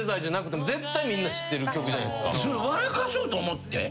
それ笑かそうと思って？